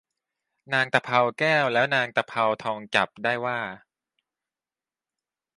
นางตะเภาแก้วและนางตะเภาทองจับได้ว่า